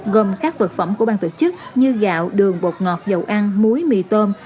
gồm các vật phẩm của bang tổ chức như gạo đường bột ngọt dầu ăn muối mì tôm